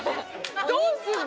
どうするの？